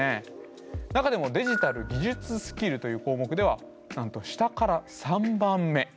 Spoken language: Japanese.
中でも「デジタル・技術スキル」という項目ではなんと下から３番目。